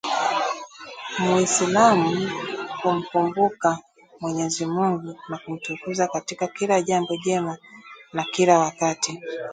Muislamu humkumbuka Mwenyezi Mungu na kumtukuza katika kila jambo jema na kila wakati